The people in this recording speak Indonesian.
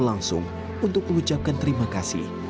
dan berterima kasih